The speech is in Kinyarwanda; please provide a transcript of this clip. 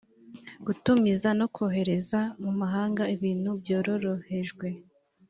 gutumiza no kohereza mu mahanga ibintu byarorohejwe